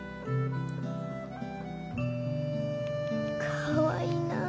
かわいいなあ。